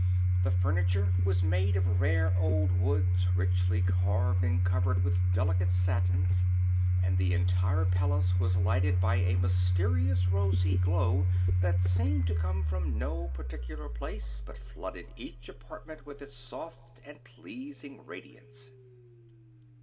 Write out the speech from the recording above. The furniture was made of rare old woods richly carved and covered with delicate satins, and the entire palace was lighted by a mysterious rosy glow that seemed to come from no particular place but flooded each apartment with its soft and pleasing radiance.